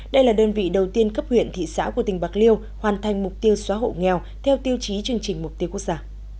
đây là đơn vị đầu tiên cấp huyện thị xã của tỉnh bạc liêu hoàn thành mục tiêu xóa hộ nghèo theo tiêu chí chương trình mục tiêu quốc gia